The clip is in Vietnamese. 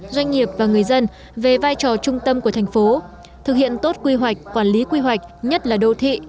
doanh nghiệp và người dân về vai trò trung tâm của thành phố thực hiện tốt quy hoạch quản lý quy hoạch nhất là đô thị